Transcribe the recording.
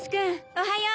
おはよう。